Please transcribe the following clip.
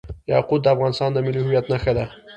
یاقوت د افغانستان د ملي هویت نښه ده.